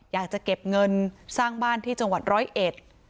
อยากจะเก็บเงินสร้างบ้านที่จังหวัดร้อยเอ็ด